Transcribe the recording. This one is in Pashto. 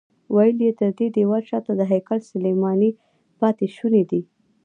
ویل یې تر دې دیوال شاته د هیکل سلیماني پاتې شوني دي.